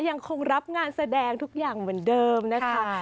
ยังคงรับงานแสดงทุกอย่างเหมือนเดิมนะคะ